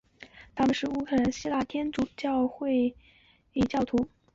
他们是乌克兰希腊礼天主教会教徒。